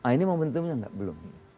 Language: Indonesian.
ini momentumnya belum